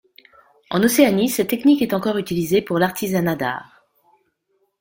En Océanie, cette technique est encore utilisée pour l'artisanat d'art.